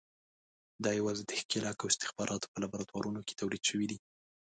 دا یوازې د ښکېلاک او استخباراتو په لابراتوارونو کې تولید شوي دي.